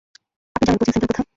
আপনি জানেন coaching centre কোথায়?